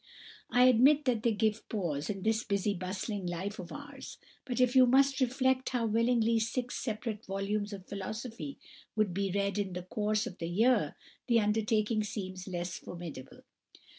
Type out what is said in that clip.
I admit that they 'give pause' in this busy bustling life of ours; but if you reflect how willingly six separate volumes of philosophy would be read in the course of the year the undertaking seems less formidable.